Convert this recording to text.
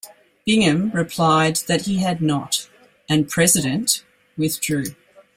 Bingham replied he had not, and "President" withdrew.